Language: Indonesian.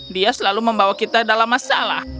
dia selalu membawa kita dalam masalah